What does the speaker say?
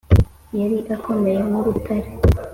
yari akomeye nk’urutare